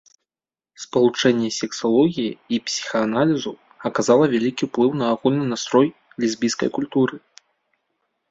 Спалучэнне сексалогіі і псіхааналізу аказала вялікі ўплыў на агульны настрой лесбійскай культуры.